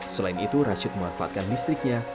selain itu rashid memanfaatkan listriknya